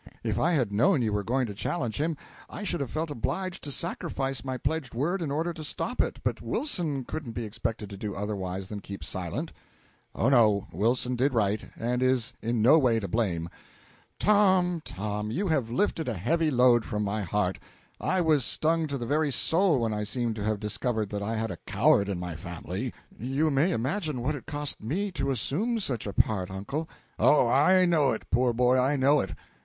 If I had known you were going to challenge him I should have felt obliged to sacrifice my pledged word in order to stop it, but Wilson couldn't be expected to do otherwise than keep silent." "Oh, no; Wilson did right, and is in no way to blame. Tom, Tom, you have lifted a heavy load from my heart; I was stung to the very soul when I seemed to have discovered that I had a coward in my family." "You may imagine what it cost me to assume such a part, uncle." "Oh, I know it, poor boy, I know it.